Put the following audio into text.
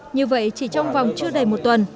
như vậy chỉ trong vòng chưa đầy một tuần